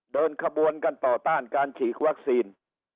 เดินขบวนกันต่อต้านการฉีดวัคซีน